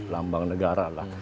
lambang negara lah